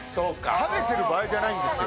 食べてる場合じゃないんですよ。